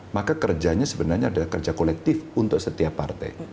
maka kerjanya sebenarnya adalah kerja kolektif untuk setiap partai